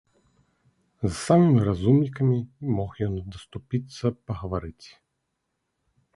З самымі разумнікамі мог ён даступіцца пагаварыць.